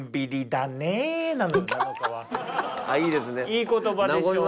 いい言葉でしょ。